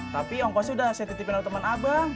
tapi ongkos udah saya titipin oleh teman abang